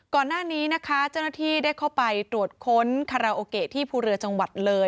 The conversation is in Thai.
ก่อนหน้านี้นะคะเจ้าหน้าที่ได้เข้าไปตรวจค้นคาราโอเกะที่ภูเรือจังหวัดเลย